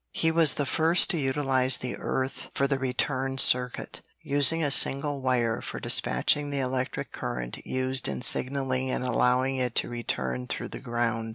He was the first to utilize the earth for the return circuit, using a single wire for despatching the electric current used in signaling and allowing it to return through the ground.